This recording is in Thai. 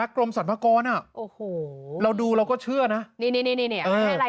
กรมสรรพากรอ่ะโอ้โหเราดูเราก็เชื่อนะนี่นี่ให้อะไร